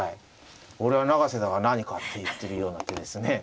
俺は永瀬だが何かって言ってるような手ですね。